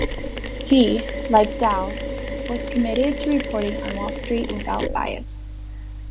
He, like Dow, was committed to reporting on Wall Street without bias.